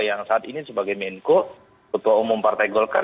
yang saat ini sebagai menko ketua umum partai golkar